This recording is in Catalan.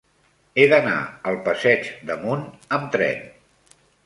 He d'anar al passeig d'Amunt amb tren.